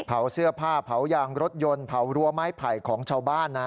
เผาเสื้อผ้าเผายางรถยนต์เผารั้วไม้ไผ่ของชาวบ้านนะ